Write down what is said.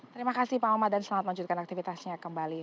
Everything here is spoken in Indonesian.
terima kasih pak muhammad dan selamat melanjutkan aktivitasnya kembali